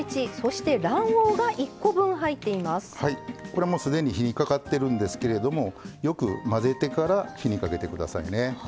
これもすでに火にかかっているんですけれどもよく混ぜてから火にかけてくださいね。